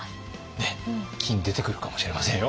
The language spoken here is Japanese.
ねえ金出てくるかもしれませんよ。